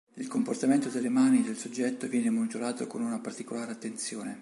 Il comportamento delle mani del soggetto viene monitorato con una particolare attenzione.